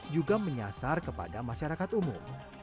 juga menyasar kepada masyarakat umum